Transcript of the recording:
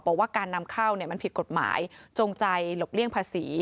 บอกว่าการนำเข้ามันผิดกฎหมายจงใจหลบเลี่ยงภาษี